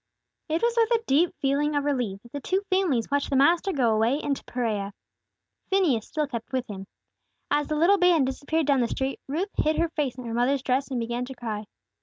IT was with a deep feeling of relief that the two families watched the Master go away into Perea. Phineas still kept with Him. As the little band disappeared down the street, Ruth hid her face in her mother's dress and began to cry.